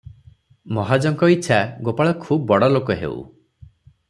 ମହାଜଙ୍କ ଇଛା, ଗୋପାଳ ଖୁବ ବଡ଼ ଲୋକ ହେଉ ।